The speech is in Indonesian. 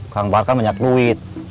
kang bar kan banyak duit